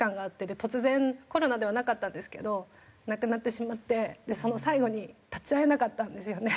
突然コロナではなかったんですけど亡くなってしまってその最期に立ち会えなかったんですよね。